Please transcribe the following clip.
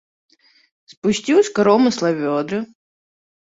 Спусціў з каромысла вёдры.